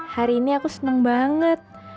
hari ini aku senang banget